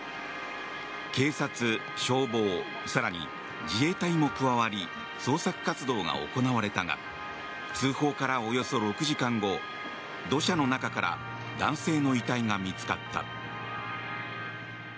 警察、消防更に自衛隊も加わり捜索活動が行われたが通報からおよそ６時間後土砂の中から男性の遺体が見つかった。